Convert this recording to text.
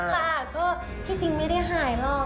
ค่ะก็ที่จริงไม่ได้หายหรอก